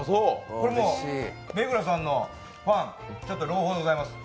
これ、目黒さんのファンちょっと朗報でございます。